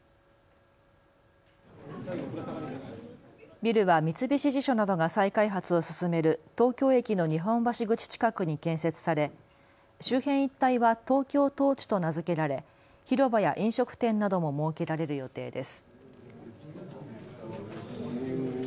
ビルは三菱地所などが再開発を進める東京駅の日本橋口近くに建設され周辺一帯はトウキョウトーチと名付けられ広場や飲食店なども設けられる予定です。